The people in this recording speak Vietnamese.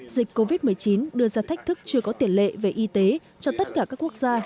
dịch covid một mươi chín đưa ra thách thức chưa có tiền lệ về y tế cho tất cả các quốc gia